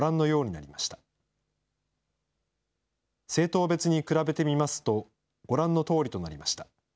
政党別に比べてみますと、ご覧のとおりとなりました。